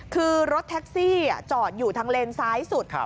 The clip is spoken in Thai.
คือรถแท็กซี่จอดอยู่ทางเลนซ้ายสุด